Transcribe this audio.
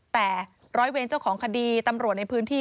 แต่ร้อยเวรเจ้าของคดีตำรวจในพื้นที่